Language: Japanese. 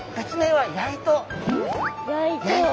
はい。